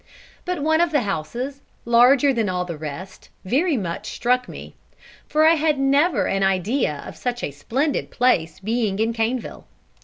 But one of the houses, larger than all the rest, very much struck me, for I had never an idea of such a splendid place being in Caneville.